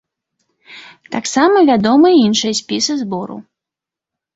Таксама вядомыя іншыя спісы збору.